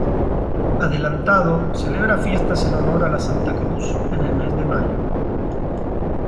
Adelantado celebra fiestas en honor a la Santa Cruz en el mes de mayo.